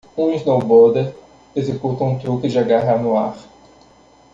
Um snowboarder executa um truque de agarrar no ar.